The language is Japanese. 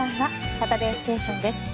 「サタデーステーション」です。